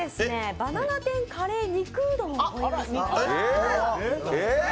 バナナ天カレーうどん！？